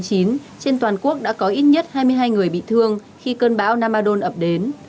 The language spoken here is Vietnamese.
trên toàn quốc đã có ít nhất hai mươi hai người bị thương khi cơn bão namadon ập đến